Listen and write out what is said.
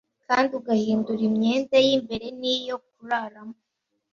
kandi ugahindura imyenda y'imbere n' iyo kuraramo.